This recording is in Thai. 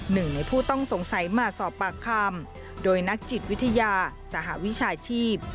หนึ่งในผู้ต้องสงสัยมาสอบปากคำโดยนักจิตวิทยาสหวิชาชีพ